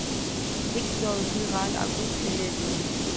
L'exode rural a gonflé les villes.